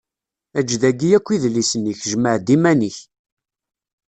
Ejj dagi akk idlisen-ik; jmeɛ-d iman-ik.